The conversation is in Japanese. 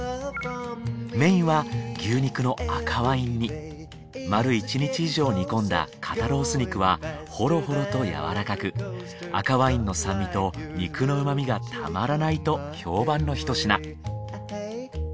メインは丸１日以上煮込んだ肩ロース肉はホロホロとやわらかく赤ワインの酸味と肉のうまみがたまらないと評判のひと品。